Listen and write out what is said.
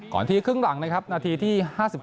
ทีครึ่งหลังนะครับนาทีที่๕๙